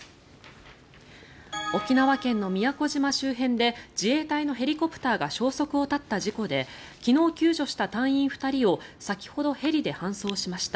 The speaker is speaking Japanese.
沖縄県の宮古島周辺で自衛隊のヘリコプターが消息を絶った事故で昨日救助した隊員２人を先ほどヘリで搬送しました。